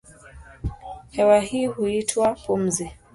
Hewa hii huitwa pumzi.